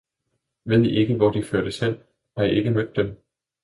Ved I ikke, hvor de førtes hen? Har I ikke mødt dem?